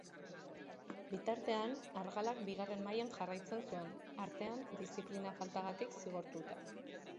Bitartean, Argalak bigarren mailan jarraitzen zuen, artean diziplina faltagatik zigortuta.